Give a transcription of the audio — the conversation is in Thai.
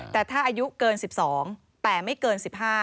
แต่ถ้าอายุเกิน๑๒แต่ไม่เกิน๑๕